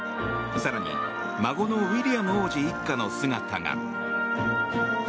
更に孫のウィリアム王子一家の姿が。